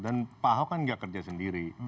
dan pak ahok kan tidak kerja sendiri